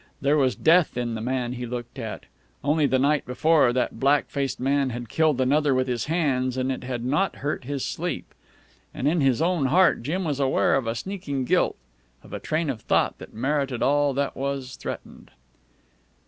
There was death in the man he looked at. Only the night before that black faced man had killed another with his hands, and it had not hurt his sleep. And in his own heart Jim was aware of a sneaking guilt, of a train of thought that merited all that was threatened.